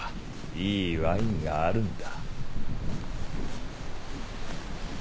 いいワインがあるんだ。